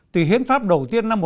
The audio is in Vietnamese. các hiến pháp việt nam